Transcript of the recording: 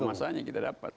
masanya kita dapat